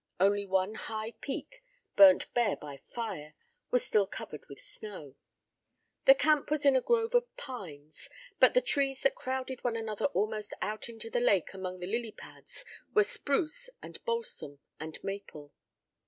Only one high peak, burnt bare by fire, was still covered with snow. The camp was in a grove of pines, but the trees that crowded one another almost out into the lake among the lily pads were spruce and balsam and maple.